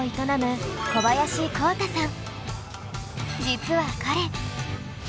実は彼。